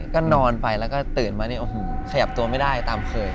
ก็นอนไปแล้วก็ตื่นมาเนี่ยโอ้โหขยับตัวไม่ได้ตามเคย